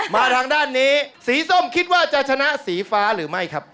มาทางด้านนี้สีส้มคิดว่าจะชนะสีฟ้าหรือไม่ครับ